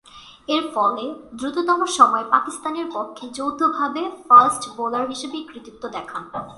এরফলে, দ্রুততম সময়ে পাকিস্তানের পক্ষে যৌথভাবে ফাস্ট বোলার হিসেবে এ কৃতিত্ব দেখান।